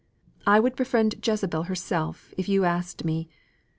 I would befriend Jezebel herself if you asked me.